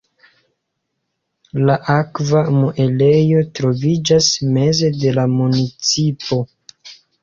La akva muelejo troviĝas meze de la municipo.